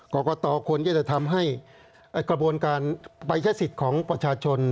กรกตควรจะทำให้กระบวนการไปใช้สิทธิ์ของประชาชน